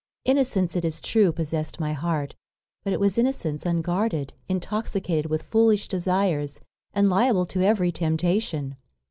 Innocence, it is true, possessed my heart; but it was innocence unguarded, intoxicated with foolish desires, and liable to every temptation.